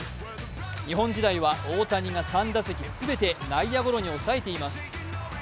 日本時代は大谷は３打席すべて内野ゴロにおさえています。